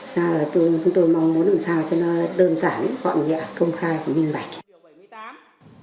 sau đó chúng tôi mong muốn làm sao cho nó đơn giản gọn nhẹ công khai và minh bạch